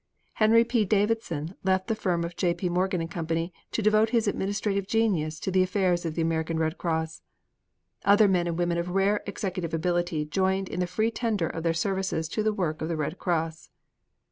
Henry P. Davidson left the firm of J. P. Morgan & Company to devote his administrative genius to the affairs of the American Red Cross. Other men and women of rare executive ability joined in the free tender of their services to the work of the Red Cross.